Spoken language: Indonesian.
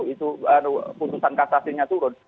itu putusan kasasinya turun